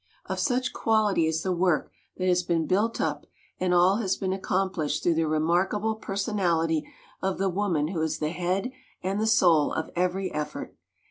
78 WOMEN OF ACHIEVEMENT Of such quality is the work that has been built up; and all has been accomplished through the remarkable personality of the woman who is the head and the soul of every effort.